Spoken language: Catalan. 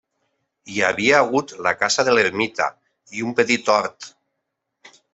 Hi havia hagut la casa de l'ermità i un petit hort.